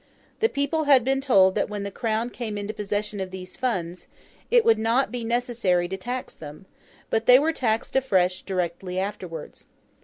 The people had been told that when the Crown came into possession of these funds, it would not be necessary to tax them; but they were taxed afresh directly afterwards.